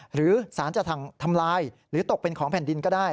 หรือสารจะทำลายหรือตกเป็นของแผ่นดินก็ได้